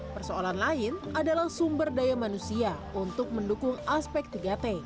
persoalan lain adalah sumber daya manusia untuk mendukung aspek tiga t